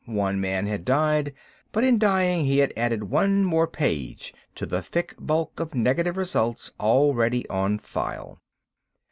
One man had died; but, in dying, he had added one more page to the thick bulk of negative results already on file.